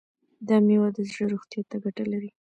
دا میوه د زړه روغتیا ته ګټه لري.